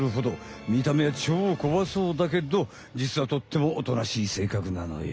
みためはちょうこわそうだけどじつはとってもおとなしい性格なのよ。